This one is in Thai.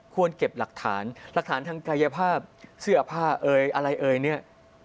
ควรเก็บหลักฐานหลักฐานทางกายภาพเสื้อผ้าอะไรเนี่ย